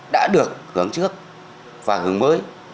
đã được hướng trước và hướng mới